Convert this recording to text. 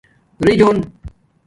رِوجونگ